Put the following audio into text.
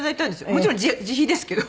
もちろん自費ですけど。